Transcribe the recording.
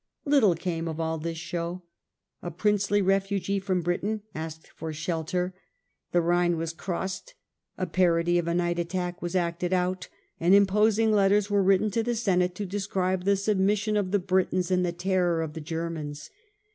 Little came of all this show. A princely refugee from Britain asked for shelter. The Rhine was crossed, a parody of a night attack w^as acted out, and imposing letters were written to the Senate to describe the submis sion of the Britons and the terror of the Germans.